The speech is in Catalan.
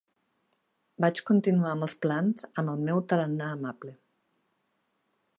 Vaig continuar amb els plans amb el meu tarannà amable.